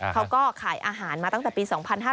เขาก็ขายอาหารมาตั้งแต่ปี๒๕๕๙